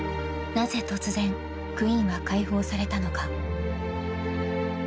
［なぜ突然クインは解放されたのか？］